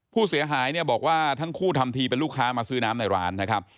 ผู้เสียหายเนี่ยบอกว่าทั้งคู่ทำทีเป็นลูกค้ามาซื้อน้ำในร้านนะครับ